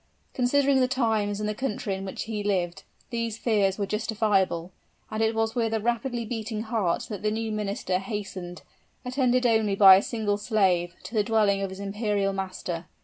Considering the times and the country in which he lived, these fears were justifiable; and it was with a rapidly beating heart that the new minister hastened, attended only by a single slave, to the dwelling of his imperial master.